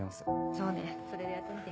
そうねそれでやってみて。